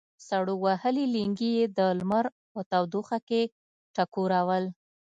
سړو وهلي لېنګي یې د لمر په تودوخه کې ټکورول.